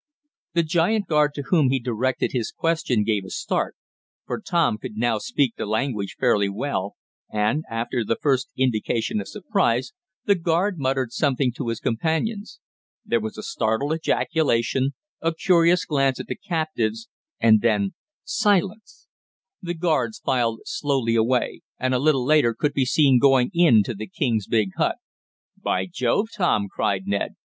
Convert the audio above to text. The giant guard to whom he directed his question gave a start, for Tom could now speak the language fairly well, and, after the first indication of surprise, the guard muttered something to his companions. There was a startled ejaculation, a curious glance at the captives, and then silence. The guards filed silently away, and, a little later, could be seen going in the king's big hut. "By Jove, Tom!" cried Ned.